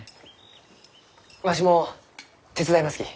わしも手伝いますき。